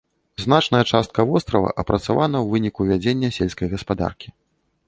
Значная частка вострава апрацавана ў выніку вядзення сельскай гаспадаркі.